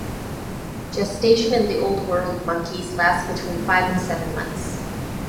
Gestation in the Old World monkeys lasts between five and seven months.